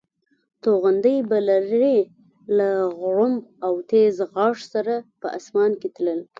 توغندي به لرې له غړومب او تېز غږ سره په اسمان کې تلل.